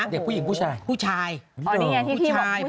เด็กผู้หญิงผู้ชายโอ้โฮผู้ชายอ๋อนี่ไงที่พี่บอก